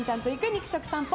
肉食さんぽ。